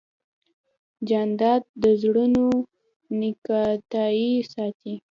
جانداد د زړونو نېکتایي ساتي.